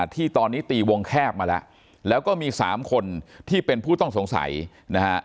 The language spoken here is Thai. ที่ตอนนี้ตีวงแคบมาแล้วแล้วก็มีสามคนที่เป็นผู้ต้องสงสัยนะฮะ